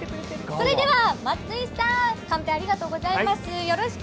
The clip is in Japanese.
松井さん、カンペありがとうございます。